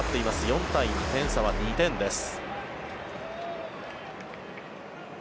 ４対２点差は２点です。